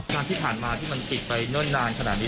ที่ผ่านมาที่มันปิดไปเนิ่นนานขนาดนี้